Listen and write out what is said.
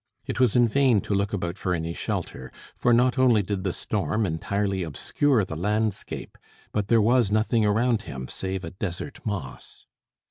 It was in vain to look about for any shelter; for not only did the storm entirely obscure the landscape, but there was nothing around him save a desert moss.